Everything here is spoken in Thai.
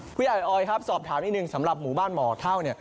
ผู้ใหญ่ออยครับสอบถามนิดนึงสำหรับหมู่บ้านหมอเท่าเนี่ย